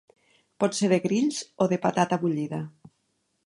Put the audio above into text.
Pot ser de grills o de patata bullida.